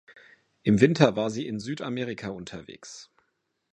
Im Winter war sie in Südamerika unterwegs.